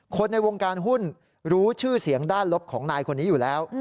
คนในวงการหุ้นรู้ชื่อเสียงด้านลบของนายคนนี้อยู่แล้ว